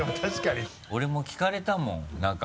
俺も聞かれたもんなんか。